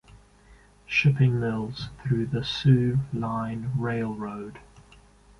Shipping Mills through the Soo Line Railroad.